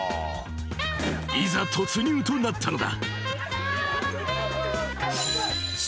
［いざ突入となったのだ］